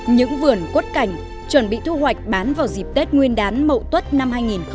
những vườn quất cảnh chuẩn bị thu hoạch bán vào dịp tết nguyên đán mậu tuất năm hai nghìn hai mươi